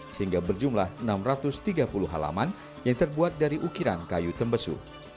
sehingga berjumlah enam ratus tiga puluh halaman yang terbuat dari ukiran kayu tembesu